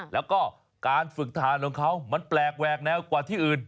แล้วก็การฝึกทานของเขามันแปลกแหวกแนวกว่าที่อื่น